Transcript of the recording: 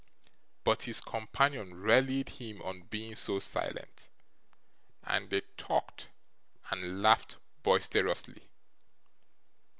But his companion rallied him on being so silent, and they talked and laughed boisterously.